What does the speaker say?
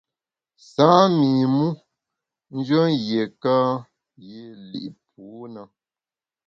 Sâ mi mu njùen yiéka yî li’ pû na.